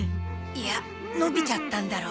いやのびちゃったんだろ。